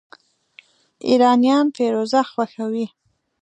ایرانیان فیروزه خوښوي.